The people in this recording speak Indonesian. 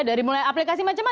dari mulai aplikasi macam macam